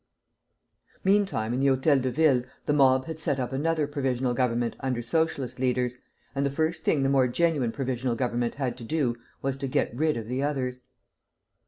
Meantime in the Hôtel de Ville the mob had set up another provisional government under Socialistic leaders, and the first thing the more genuine provisional government had to do was to get rid of the others.